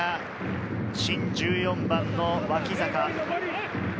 新１４番の脇坂。